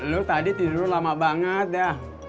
lu tadi tidur lama banget ya